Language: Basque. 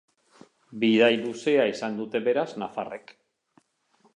Bidaia luzea izan dute, beraz, nafarrek.